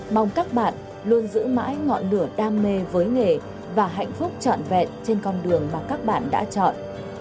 mong các bạn luôn giữ mãi ngọn lửa đam mê với nghề và hạnh phúc trọn vẹn trên con đường mà các bạn đã chọn